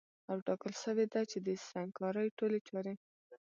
او ټاکل سوې ده چي د سنګکارۍ ټولي چاري